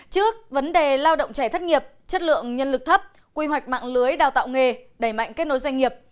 trước vấn đề lao động trẻ thất nghiệp chất lượng nhân lực thấp quy hoạch mạng lưới đào tạo nghề đẩy mạnh kết nối doanh nghiệp